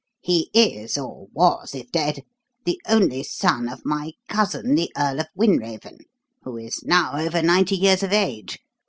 He is or was, if dead the only son of my cousin, the Earl of Wynraven, who is now over ninety years of age.